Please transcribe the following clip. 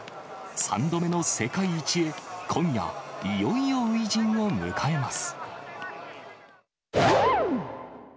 ３度目の世界一へ、今夜、いよいよ初陣を迎えます。